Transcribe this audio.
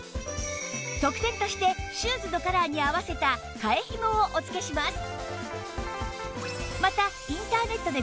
特典としてシューズのカラーに合わせた替えひもをお付けします